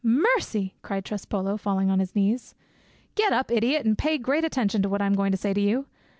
"Mercy!" cried Trespolo, falling on his knees. "Get up, idiot, and pay great attention to what I am going to say to you.